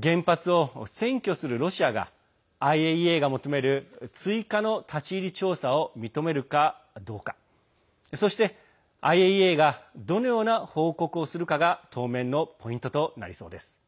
原発を占拠するロシアがＩＡＥＡが求める追加の立ち入り調査を認めるかどうかそして、ＩＡＥＡがどのような報告をするかが当面のポイントとなりそうです。